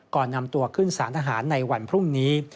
ก่อนนำตัวขึ้นสารทหารในวันพรุ่งนี้